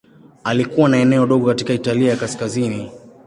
Alikuwa na eneo dogo katika Italia ya Kaskazini.